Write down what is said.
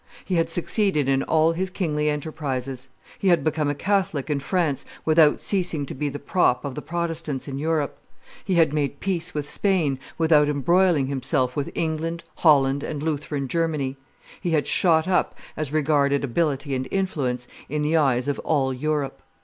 He had succeeded in all his kingly enterprises; he had become a Catholic in France without ceasing to be the prop of the Protestants in Europe; he had made peace with Spain without embroiling himself with England, Holland, and Lutheran Germany. He had shot up, as regarded ability and influence, in the eyes of all Europe.